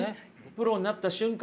プロになった瞬間